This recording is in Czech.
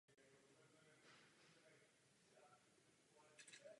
Pro získání nevěsty a uzavření sňatku ji bylo třeba z jejího rodu vykoupit.